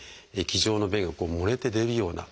液状の便が漏れて出るような。